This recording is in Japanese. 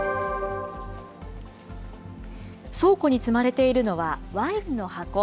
倉庫に積まれているのはワインの箱。